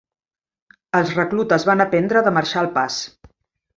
Els reclutes van aprendre de marxar al pas